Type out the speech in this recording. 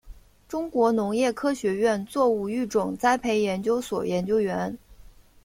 中国农业科学院作物育种栽培研究所研究员。